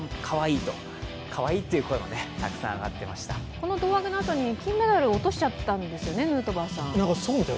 この胴上げのあとに金メダルを落としちゃったんですよね、ヌートバーさん。